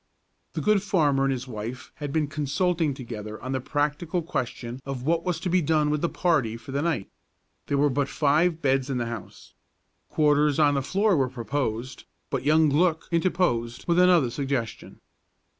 The good farmer and his wife had been consulting together on the practical question of what was to be done with the party for the night. There were but five beds in the house. Quarters on the floor were proposed, but young Glück interposed with another suggestion.